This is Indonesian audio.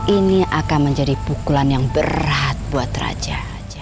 ini akan menjadi pukulan yang berat buat raja